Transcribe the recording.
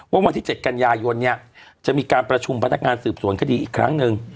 วันที่๗กันยายนเนี่ยจะมีการประชุมพนักงานสืบสวนคดีอีกครั้งหนึ่ง